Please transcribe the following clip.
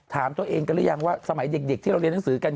ถามตัวเองกันหรือยังว่าสมัยเด็กที่เราเรียนหนังสือกัน